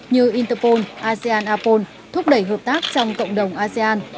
như interpol asean apol thúc đẩy hợp tác trong cộng đồng asean